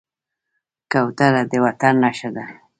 کوتره د وطن نښه ده.